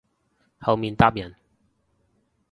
後面搭人